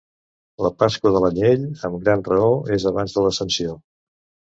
La Pasqua de l'anyell, amb gran raó és abans de l'Ascensió.